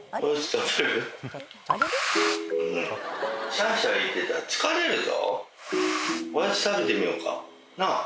シャーシャー言ってたら疲れるぞ。